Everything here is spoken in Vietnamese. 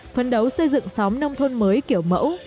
phấn đấu xây dựng xóm nông thôn mới kiểu mẫu